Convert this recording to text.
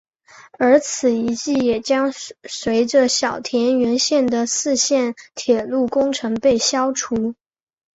而此遗迹也将随着小田原线的四线铁路工程被消除。